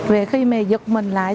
về khi mẹ giật mình lại